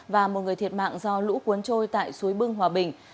và một người thiệt mạng do lũ cuốn trôi tại suối bưng hòa bình